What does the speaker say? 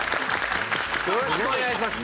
よろしくお願いします。